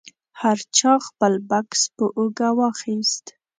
هر چا خپل بکس په اوږه واخیست.